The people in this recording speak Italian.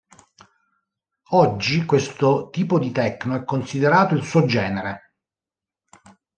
Oggi, questo tipo di techno è considerato il suo genere.